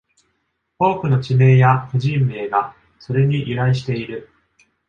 多くの地名や個人名が、それに由来している。